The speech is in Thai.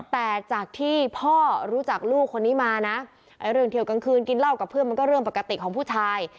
แต่จากที่พ่อรู้จักลูกคนนี้มานะเรื่องเที่ยวกลางคืนกินเหล้ากับเพื่อนมันก็เรื่องปกติของผู้ชาย